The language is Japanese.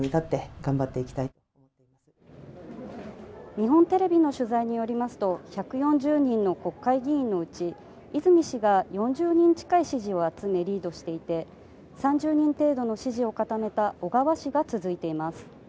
日本テレビの取材によりますと、１４０人の国会議員のうち、泉氏が４０人近い支持を集めリードしていて、３０人程度の支持を固めた小川氏が続いています。